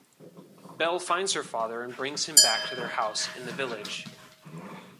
Belle finds her father and brings him back to their house in the village.